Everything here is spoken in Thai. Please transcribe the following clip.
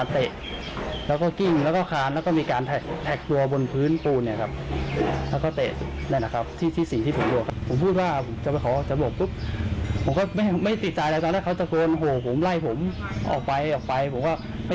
พี่ว่าพี่ว่าพี่ว่าพี่ว่าพี่ว่าพี่ว่าพี่ว่าพี่ว่าพี่ว่าพี่ว่า